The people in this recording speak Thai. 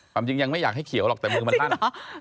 ความจริงยังไม่อยากให้เขียวหรอกแต่มือมันลั่น